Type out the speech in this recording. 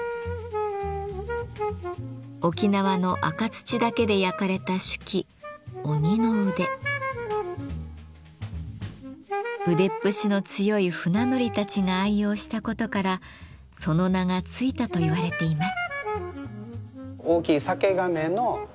沖縄の赤土だけで焼かれた酒器腕っぷしの強い船乗りたちが愛用したことからその名が付いたといわれています。